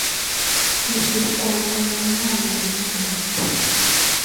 Kisiir kwanda Konyaa inendet